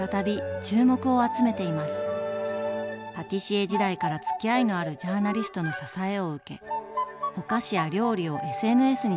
パティシエ時代からつきあいのあるジャーナリストの支えを受けお菓子や料理をＳＮＳに投稿。